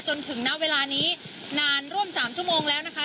จนถึงณเวลานี้นานร่วม๓ชั่วโมงแล้วนะคะ